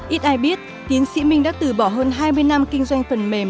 ít ai biết tiến sĩ minh đã từ bỏ hơn hai mươi năm kinh doanh phần mềm